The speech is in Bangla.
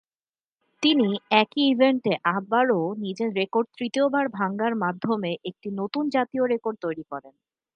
তিনি একই ইভেন্টে আবারও নিজের রেকর্ড তৃতীয় বার ভাঙ্গার মাধ্যমে একটি নতুন জাতীয় রেকর্ড তৈরি করেন।